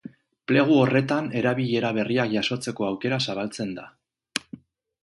Plegu horretan erabilera berriak jasotzeko aukera zabaltzen da.